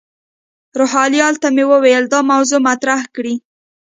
روهیال ته مې وویل دا موضوع مطرح کړي.